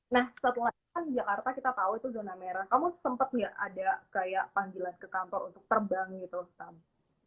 nah setelah kan jakarta kita tahu itu zona merah kamu sempet nggak ada kayak panggilan ke kantor untuk terbang gitu kamu